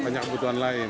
banyak kebutuhan lain